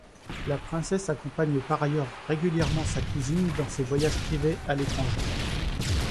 La princesse accompagne par ailleurs régulièrement sa cousine dans ses voyages privés à l'étranger.